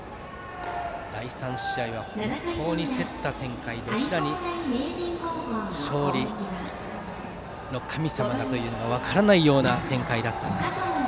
第３試合は本当に競った展開でどちらに勝利の神様がというのが分からないような展開だったんですが。